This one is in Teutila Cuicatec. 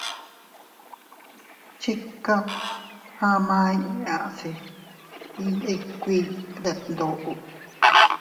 Chika ama inña se iyndikuiy detndoʼo.